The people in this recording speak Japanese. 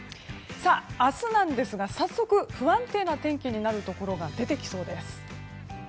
明日なんですが早速不安定な天気になるところが出てきそうです。